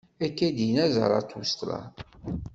Akka i d-inna Zarathustra.